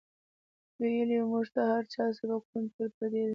وئیلـي مونږ ته هـر چا سبقــونه ټول پردي دي